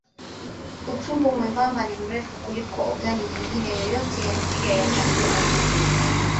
Utumbo mwembamba ni mrefu kuliko ogani nyingine yoyote ya njia ya chakula.